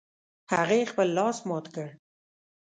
هغې خپل لاس مات کړ